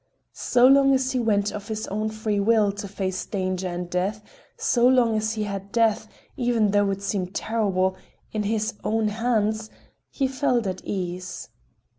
So long as he went of his own free will to face danger and death, so long as he had death, even though it seemed terrible, in his own hands, he felt at ease.